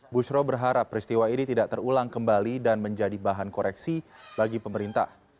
bushro berharap peristiwa ini tidak terulang kembali dan menjadi bahan koreksi bagi pemerintah